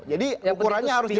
jadi ukurannya harus jelas